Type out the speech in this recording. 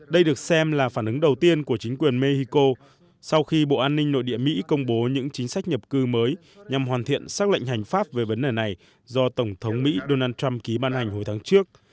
đây được xem là phản ứng đầu tiên của chính quyền mexico sau khi bộ an ninh nội địa mỹ công bố những chính sách nhập cư mới nhằm hoàn thiện xác lệnh hành pháp về vấn đề này do tổng thống mỹ donald trump ký ban hành hồi tháng trước